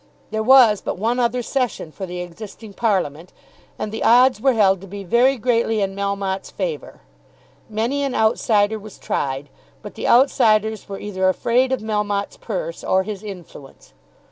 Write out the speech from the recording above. There was but one other session for the existing Parliament; and the odds were held to be very greatly in Melmotte's favour. Many an outsider was tried, but the outsiders were either afraid of Melmotte's purse or his influence.